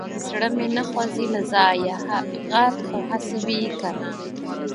زړه مې نه خوځي له ځايه غر خو هسي وي که نه.